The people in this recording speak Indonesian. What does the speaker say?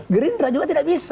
green dress juga tidak bisa